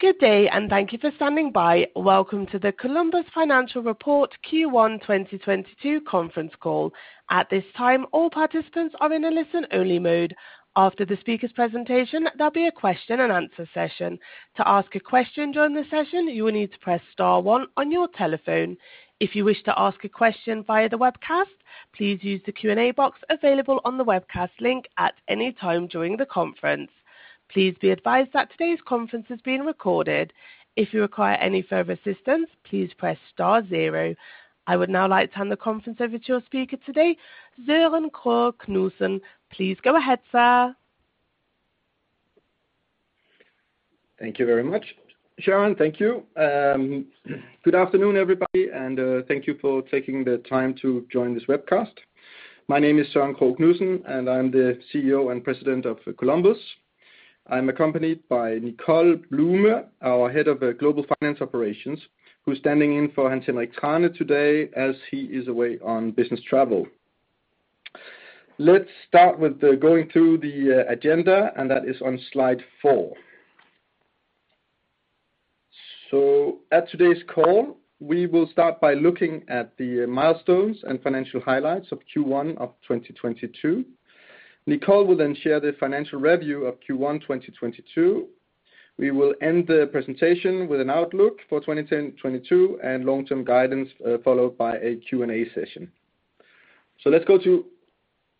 Good day, thank you for standing by. Welcome to the Columbus Financial Report Q1 2022 Conference Call. At this time, all participants are in a listen-only mode. After the speaker's presentation, there'll be a question and answer session. To ask a question during the session, you will need to press star one on your telephone. If you wish to ask a question via the webcast, please use the Q&A box available on the webcast link at any time during the conference. Please be advised that today's conference is being recorded. If you require any further assistance, please press star zero. I would now like to hand the conference over to our speaker today, Søren Krogh Knudsen. Please go ahead, sir. Thank you very much. Sharon, thank you. Good afternoon, everybody, and thank you for taking the time to join this webcast. My name is Søren Krogh Knudsen, and I'm the CEO and President of Columbus. I'm accompanied by Nicole Bluhme, our Head of Global Finance Operations, who's standing in for Hans Henrik Thrane today as he is away on business travel. Let's start with going through the agenda, and that is on slide four. At today's call, we will start by looking at the milestones and financial highlights of Q1 of 2022. Nicole will then share the financial review of Q1 2022. We will end the presentation with an outlook for 2022 and long-term guidance, followed by a Q&A session. Let's go to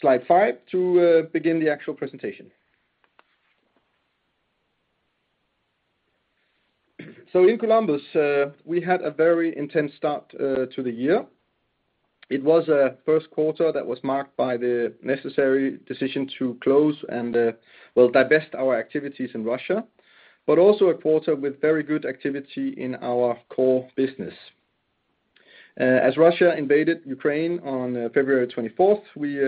slide five to begin the actual presentation. In Columbus, we had a very intense start to the year. It was a first quarter that was marked by the necessary decision to close and divest our activities in Russia, but also a quarter with very good activity in our core business. As Russia invaded Ukraine on February 24, we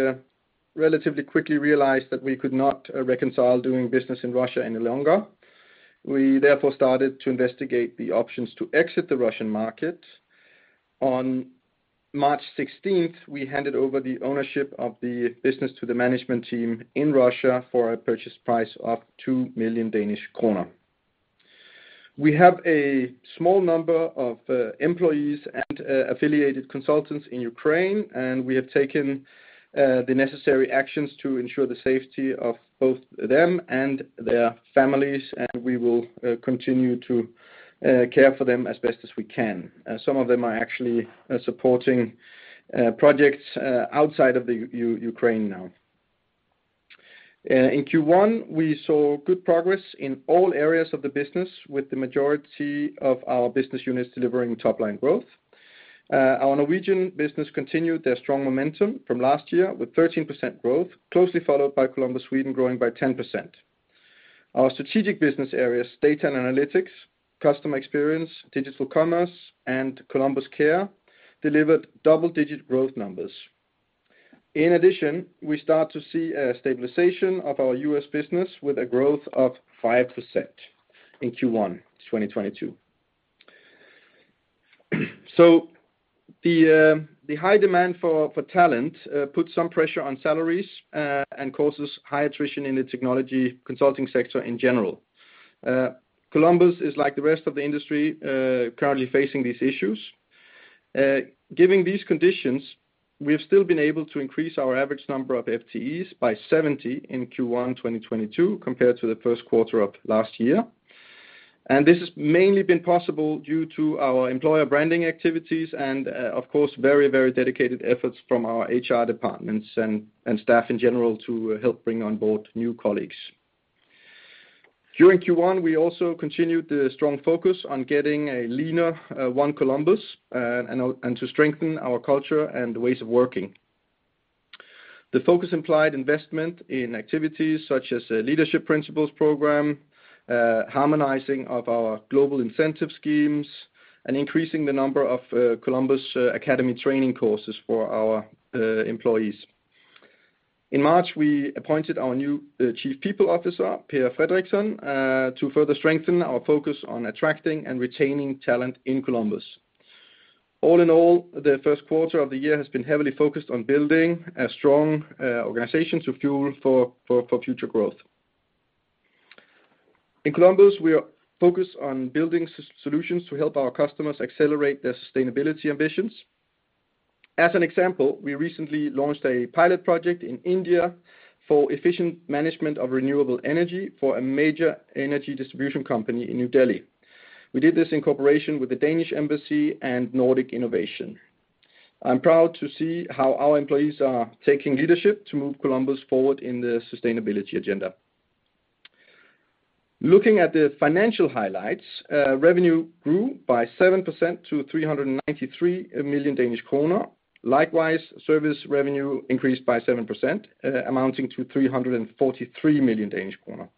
relatively quickly realized that we could not reconcile doing business in Russia any longer. We therefore started to investigate the options to exit the Russian market. On March 16, we handed over the ownership of the business to the management team in Russia for a purchase price of 2 million Danish kroner. We have a small number of employees and affiliated consultants in Ukraine, and we have taken the necessary actions to ensure the safety of both them and their families, and we will continue to care for them as best as we can. Some of them are actually supporting projects outside of Ukraine now. In Q1, we saw good progress in all areas of the business with the majority of our business units delivering top-line growth. Our Norwegian business continued their strong momentum from last year with 13% growth, closely followed by Columbus Sweden, growing by 10%. Our strategic business areas, Data & Analytics, Customer Experience & Engagement, Digital Commerce, and ColumbusCare delivered double-digit growth numbers. In addition, we start to see a stabilization of our US business with a growth of 5% in Q1 2022. The high demand for talent puts some pressure on salaries and causes high attrition in the technology consulting sector in general. Columbus is like the rest of the industry currently facing these issues. Given these conditions, we have still been able to increase our average number of FTEs by 70 in Q1 2022 compared to the first quarter of last year. This has mainly been possible due to our employer branding activities and, of course, very, very dedicated efforts from our HR departments and staff in general to help bring on board new colleagues. During Q1, we also continued the strong focus on getting a leaner One Columbus and to strengthen our culture and ways of working. The focus implied investment in activities such as Leadership Principles program, harmonizing of our global incentive schemes, and increasing the number of Columbus Academy training courses for our employees. In March, we appointed our new Chief People Officer, Per Fredriksson, to further strengthen our focus on attracting and retaining talent in Columbus. All in all, the first quarter of the year has been heavily focused on building a strong organization to fuel future growth. In Columbus, we are focused on building solutions to help our customers accelerate their sustainability ambitions. As an example, we recently launched a pilot project in India for efficient management of renewable energy for a major energy distribution company in New Delhi. We did this in cooperation with the Danish Embassy and Nordic Innovation. I'm proud to see how our employees are taking leadership to move Columbus forward in the sustainability agenda. Looking at the financial highlights, revenue grew by 7% to 393 million Danish kroner. Likewise, service revenue increased by 7%, amounting to 343 million Danish kroner.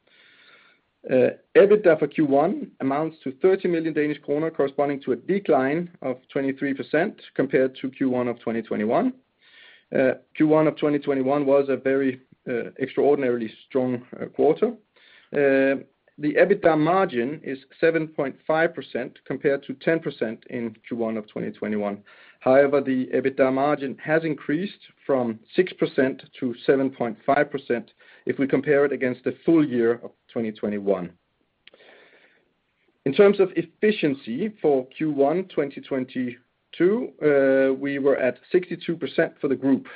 EBITDA for Q1 amounts to 30 million Danish kroner, corresponding to a decline of 23% compared to Q1 of 2021. Q1 of 2021 was a very extraordinarily strong quarter. The EBITDA margin is 7.5% compared to 10% in Q1 of 2021. However, the EBITDA margin has increased from 6% to 7.5% if we compare it against the full year of 2021. In terms of efficiency for Q1 2022, we were at 62% for the group.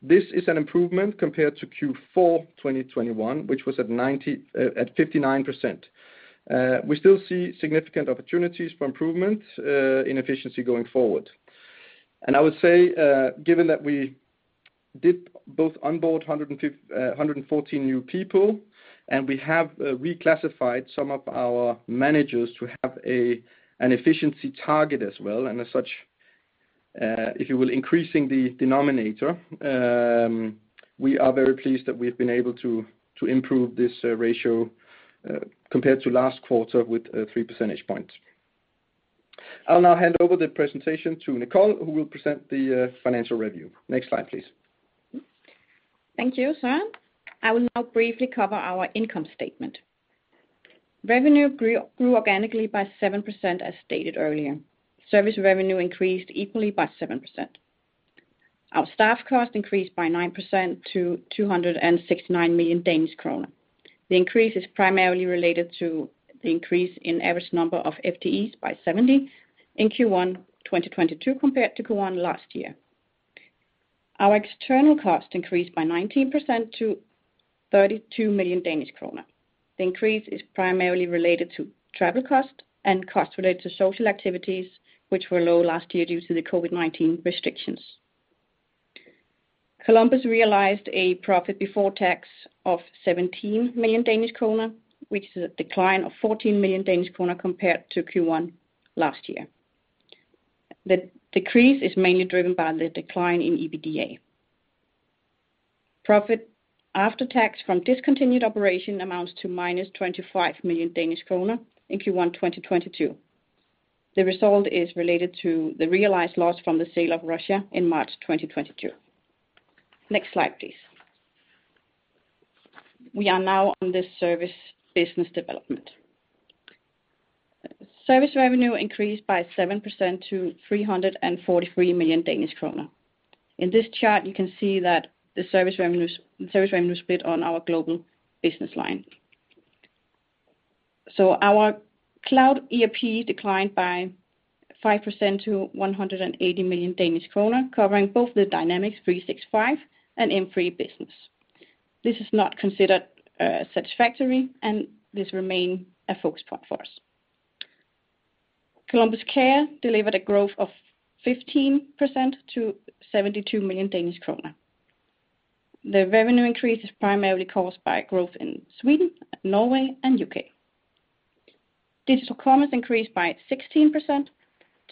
This is an improvement compared to Q4 2021, which was at 59%. We still see significant opportunities for improvement in efficiency going forward. I would say, given that we did both onboard 114 new people, and we have reclassified some of our managers to have an efficiency target as well, and as such, if you will, increasing the denominator, we are very pleased that we've been able to improve this ratio compared to last quarter with three percentage points. I'll now hand over the presentation to Nicole, who will present the financial review. Next slide, please. Thank you, Søren. I will now briefly cover our income statement. Revenue grew organically by 7%, as stated earlier. Service revenue increased equally by 7%. Our staff cost increased by 9% to 269 million Danish kroner. The increase is primarily related to the increase in average number of FTEs by 70 in Q1 2022 compared to Q1 last year. Our external cost increased by 19% to 32 million Danish kroner. The increase is primarily related to travel cost and cost related to social activities, which were low last year due to the COVID-19 restrictions. Columbus realized a profit before tax of 17 million Danish kroner, which is a decline of 14 million Danish kroner compared to Q1 last year. The decrease is mainly driven by the decline in EBITDA. Profit after tax from discontinued operation amounts to -25 million Danish kroner in Q1 2022. The result is related to the realized loss from the sale of Russia in March 2022. Next slide, please. We are now on the service business development. Service revenue increased by 7% to 343 million Danish kroner. In this chart, you can see that the service revenues, service revenue split on our global business line. Our Cloud ERP declined by 5% to 180 million Danish kroner, covering both the Dynamics 365 and M3 business. This is not considered satisfactory, and this remain a focus point for us. Columbus Care delivered a growth of 15% to 72 million Danish kroner. The revenue increase is primarily caused by growth in Sweden, Norway and UK. Digital Commerce increased by 16%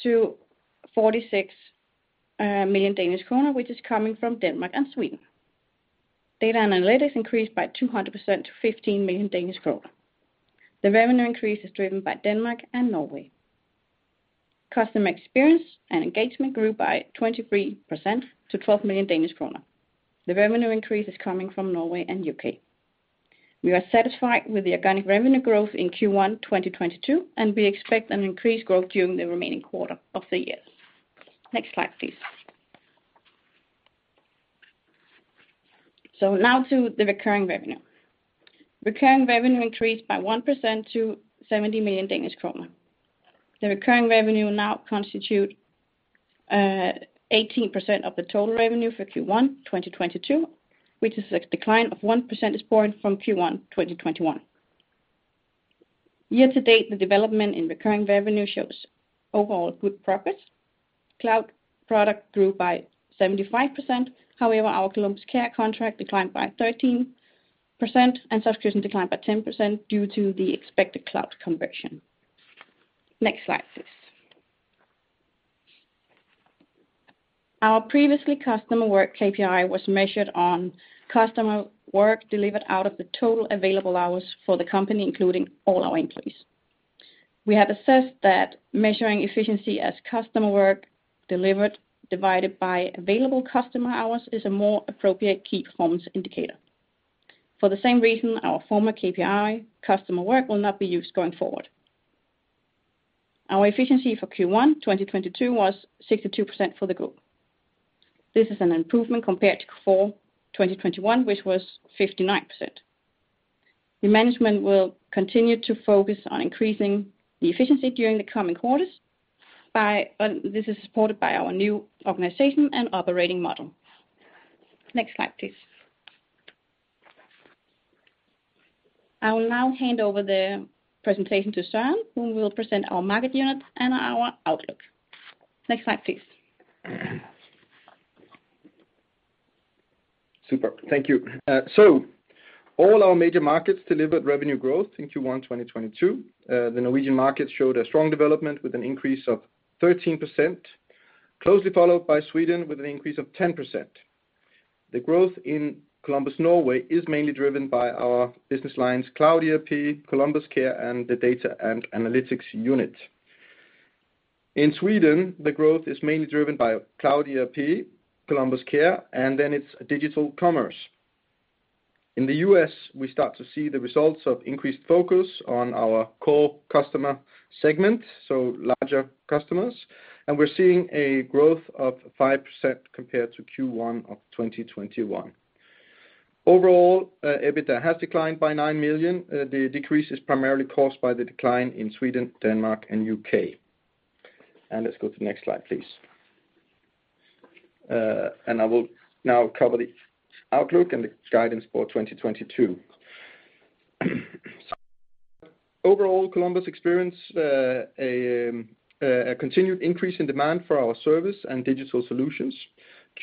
to 46 million Danish kroner, which is coming from Denmark and Sweden. Data analytics increased by 200% to 15 million Danish kroner. The revenue increase is driven by Denmark and Norway. Customer experience and engagement grew by 23% to 12 million Danish kroner. The revenue increase is coming from Norway and UK. We are satisfied with the organic revenue growth in Q1 2022, and we expect an increased growth during the remaining quarter of the year. Next slide, please. Now to the recurring revenue. Recurring revenue increased by 1% to 70 million Danish kroner. The recurring revenue now constitute 18% of the total revenue for Q1 2022, which is a decline of one percentage point from Q1 2021. Year to date, the development in recurring revenue shows overall good progress. Cloud product grew by 75%. However, our ColumbusCare contract declined by 13%, and subscription declined by 10% due to the expected cloud conversion. Next slide, please. Our previously customer work KPI was measured on customer work delivered out of the total available hours for the company, including all our employees. We have assessed that measuring efficiency as customer work delivered divided by available customer hours is a more appropriate key performance indicator. For the same reason, our former KPI customer work will not be used going forward. Our efficiency for Q1 2022 was 62% for the group. This is an improvement compared to Q4 2021, which was 59%. The management will continue to focus on increasing the efficiency during the coming quarters. This is supported by our new organization and operating model. Next slide, please. I will now hand over the presentation to Søren, who will present our market unit and our outlook. Next slide, please. Super. Thank you. All our major markets delivered revenue growth in Q1 2022. The Norwegian market showed a strong development with an increase of 13%, closely followed by Sweden with an increase of 10%. The growth in Columbus Norway is mainly driven by our business lines Cloud ERP, ColumbusCare, and the Data & Analytics unit. In Sweden, the growth is mainly driven by Cloud ERP, ColumbusCare, and then its Digital Commerce. In the U.S., we start to see the results of increased focus on our core customer segment, so larger customers, and we're seeing a growth of 5% compared to Q1 of 2021. Overall, EBITDA has declined by 9 million. The decrease is primarily caused by the decline in Sweden, Denmark, and U.K. Let's go to the next slide, please. I will now cover the outlook and the guidance for 2022. Overall, Columbus experienced a continued increase in demand for our service and digital solutions.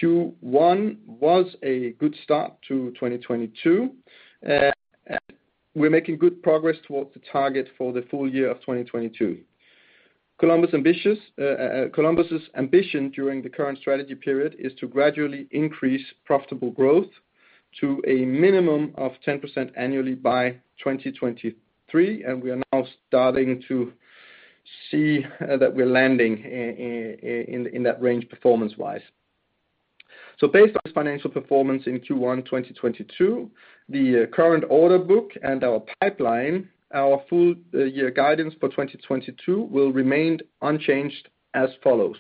Q1 was a good start to 2022. We're making good progress towards the target for the full year of 2022. Columbus's ambition during the current strategy period is to gradually increase profitable growth to a minimum of 10% annually by 2023, and we are now starting to see that we're landing in that range performance-wise. Based on this financial performance in Q1 2022, the current order book and our pipeline, our full year guidance for 2022 will remain unchanged as follows.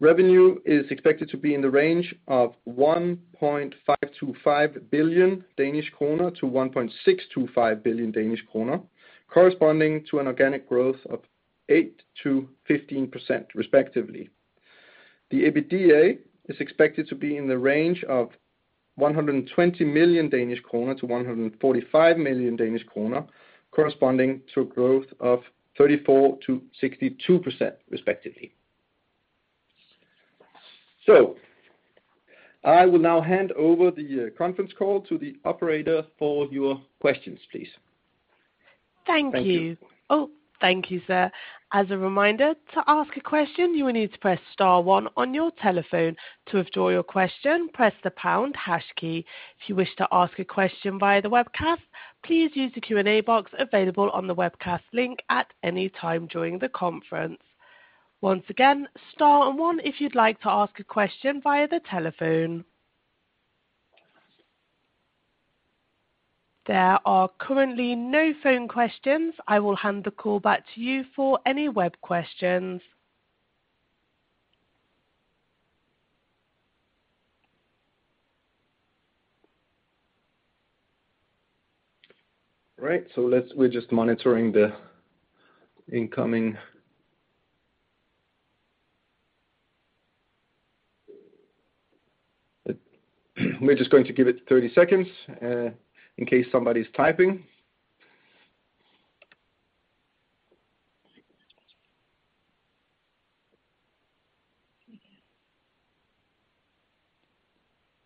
Revenue is expected to be in the range of 1.525 billion-1.625 billion Danish kroner, corresponding to an organic growth of 8%-15% respectively. The EBITDA is expected to be in the range of 120 million-145 million Danish kroner, corresponding to a growth of 34%-62% respectively. I will now hand over the conference call to the operator for your questions, please. Thank you. Thank you. Oh, thank you, sir. As a reminder, to ask a question, you will need to press star one on your telephone. To withdraw your question, press the pound hash key. If you wish to ask a question via the webcast, please use the Q&A box available on the webcast link at any time during the conference. Once again, star and one if you'd like to ask a question via the telephone. There are currently no phone questions. I will hand the call back to you for any web questions. We're just going to give it 30 seconds, in case somebody's typing.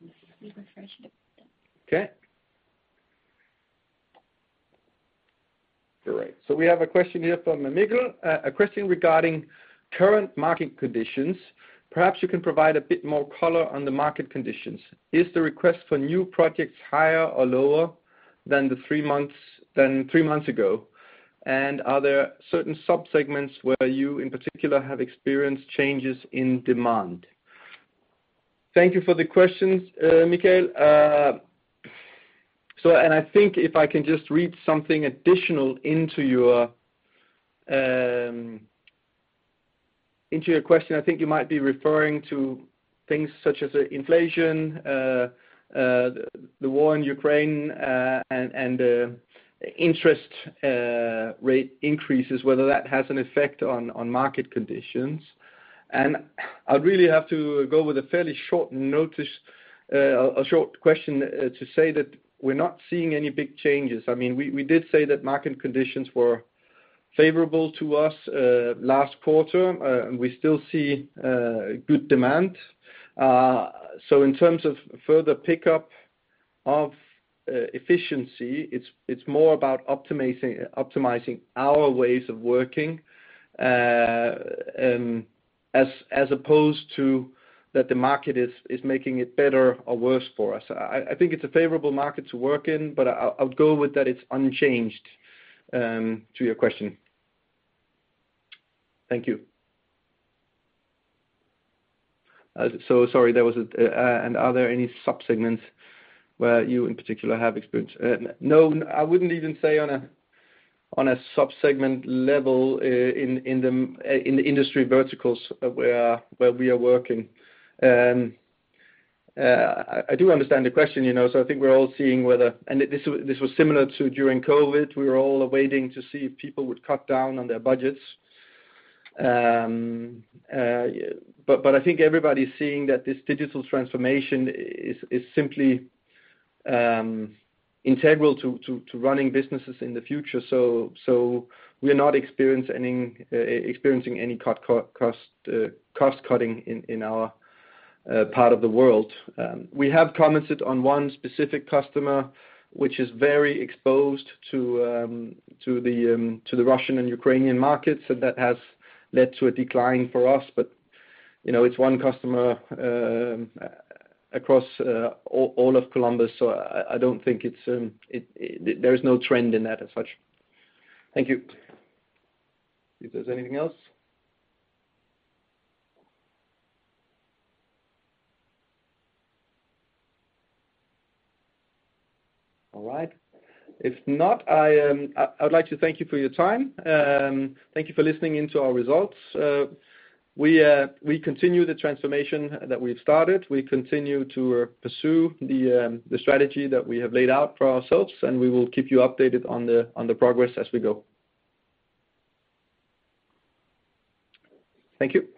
Let me refresh the- Okay. Great. We have a question here from Miguel. A question regarding current market conditions. Perhaps you can provide a bit more color on the market conditions. Is the request for new projects higher or lower than three months ago? And are there certain sub-segments where you in particular have experienced changes in demand? Thank you for the questions, Miguel. I think if I can just read something additional into your question. I think you might be referring to things such as inflation, the war in Ukraine, and interest rate increases, whether that has an effect on market conditions. I'd really have to go with a fairly short notice, a short question, to say that we're not seeing any big changes. I mean, we did say that market conditions were favorable to us last quarter. We still see good demand. In terms of further pickup of efficiency, it's more about optimizing our ways of working, as opposed to that the market is making it better or worse for us. I think it's a favorable market to work in, but I'd go with that it's unchanged to your question. Thank you. Are there any sub-segments where you in particular have experienced? No. I wouldn't even say on a sub-segment level in the industry verticals where we are working. I do understand the question, you know. I think we're all seeing whether This was similar to during COVID. We were all waiting to see if people would cut down on their budgets. I think everybody's seeing that this digital transformation is simply integral to running businesses in the future. We're not experiencing any cost-cutting in our part of the world. We have commented on one specific customer which is very exposed to the Russian and Ukrainian markets, and that has led to a decline for us. You know, it's one customer across all of Columbus. I don't think it's. There is no trend in that as such. Thank you. If there's anything else. All right. If not, I would like to thank you for your time. Thank you for listening into our results. We continue the transformation that we've started. We continue to pursue the strategy that we have laid out for ourselves, and we will keep you updated on the progress as we go. Thank you.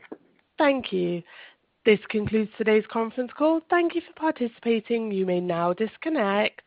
Thank you. This concludes today's conference call. Thank you for participating. You may now disconnect.